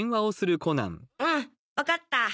うんわかった。